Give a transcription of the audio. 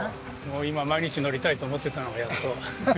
もう今毎日乗りたいと思ってたのがやっと。